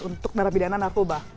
untuk narapidana narkoba